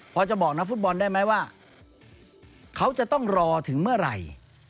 พอจะบอกนักฟุตบอลได้ไหมว่าเขาจะต้องรอถึงเมื่อไหร่